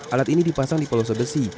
alat ini dipasang di pulau sebesi